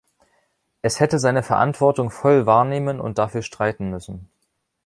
Es hätte seine Verantwortung voll wahrnehmen und dafür streiten müssen.